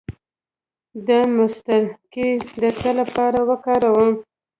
د مصطکي د څه لپاره وکاروم؟